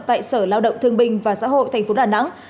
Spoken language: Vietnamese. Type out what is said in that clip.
tại sở lao động thương binh và xã hội tp đn